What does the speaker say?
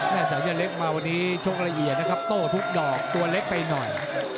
สาวยันเล็กมาวันนี้ชกละเอียดนะครับโต้ทุกดอกตัวเล็กไปหน่อย